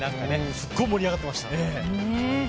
すっごい盛り上がってました。